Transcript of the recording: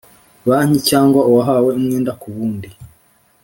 banki cyangwa uwahawe umwenda ku bundi